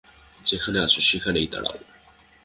যেখানে আছো সেখানেই দাঁড়াও।